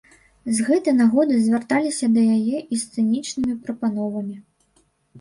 З гэтай нагоды звярталіся да яе і з цынічнымі прапановамі.